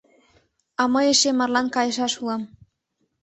А мый эше марлан кайышаш улам.